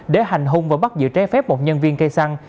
để hành hung và bắt giữ trái phép một nhân viên cây xăng